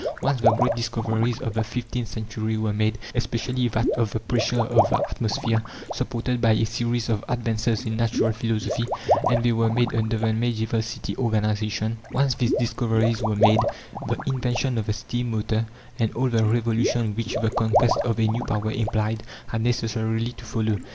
Once the great discoveries of the fifteenth century were made, especially that of the pressure of the atmosphere, supported by a series of advances in natural philosophy and they were made under the medieval city organization, once these discoveries were made, the invention of the steam motor, and all the revolution which the conquest of a new power implied, had necessarily to follow.